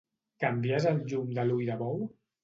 Canvies el llum de l'ull de bou?